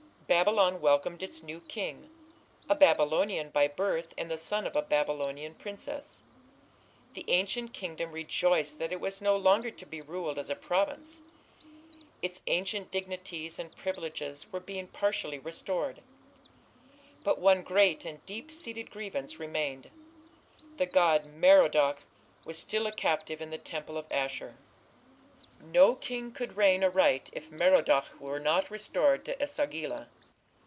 Babylon welcomed its new king a Babylonian by birth and the son of a Babylonian princess. The ancient kingdom rejoiced that it was no longer to be ruled as a province; its ancient dignities and privileges were being partially restored. But one great and deep seated grievance remained. The god Merodach was still a captive in the temple of Ashur. No king could reign aright if Merodach were not restored to E sagila.